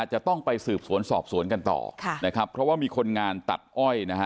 จะต้องไปสืบสวนสอบสวนกันต่อค่ะนะครับเพราะว่ามีคนงานตัดอ้อยนะฮะ